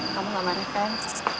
kamu nggak marah kan